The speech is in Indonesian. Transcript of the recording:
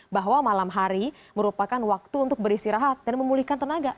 bahwa malam hari merupakan waktu untuk beristirahat dan memulihkan tenaga